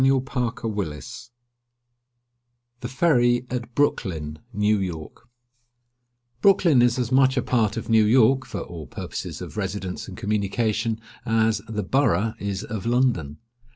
VIEW OF THE FERRY AT BROOKLYN, NEW YORK Brooklyn is as much a part of New York, for all purposes of residence and communication, as "the Borough" is of London.